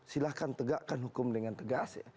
silahkan tegakkan hukum dengan tegas ya